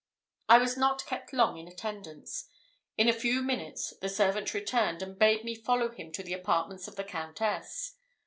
I was not kept long in attendance. In a few minutes the servant returned, and bade me follow him to the apartments of the Countess.